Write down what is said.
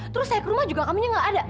terus saya ke rumah juga kamu yang nggak ada